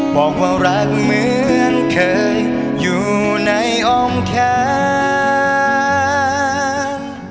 บอกว่ารักเหมือนเคยอยู่ในอ้อมแขน